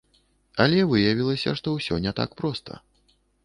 Але выявілася, што ўсё не так проста.